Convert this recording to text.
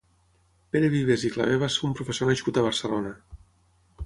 Pere Vives i Clavé va ser un professor nascut a Barcelona.